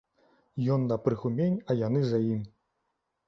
Ён на прыгумень, а яны за ім.